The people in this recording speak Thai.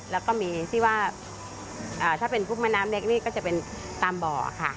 แล้วก็มีที่ว่าถ้าเป็นพวกแม่น้ำเล็กนี่ก็จะเป็นตามบ่อค่ะ